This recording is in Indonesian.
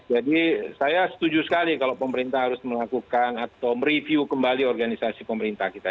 jadi saya setuju sekali kalau pemerintah harus melakukan atau review kembali organisasi pemerintah kita